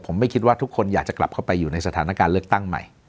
ผมไม่คิดว่าทุกคนอยากจะกลับเข้าไปอยู่ในสถานการณ์เลือกตั้งใหม่